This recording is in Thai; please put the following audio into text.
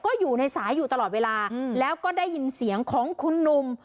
ก็อยู่ในสายอยู่ตลอดเวลาแล้วก็ได้ยินเสียงของคุณหนุ่ม